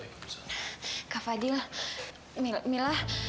kak fadil mila